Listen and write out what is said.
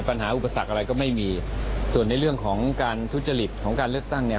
อุปสรรคอะไรก็ไม่มีส่วนในเรื่องของการทุจริตของการเลือกตั้งเนี่ย